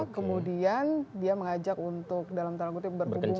kemudian dia mengajak untuk dalam tanda kutip berkumpul